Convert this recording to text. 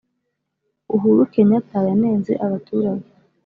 Uhuru kenyata yanenze abaturage